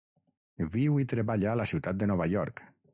Viu i treballa a la ciutat de Nova York.